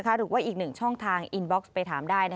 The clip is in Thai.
หรืออีกหนึ่งอีกหนึ่งช่องทางรายบัตรไปถามได้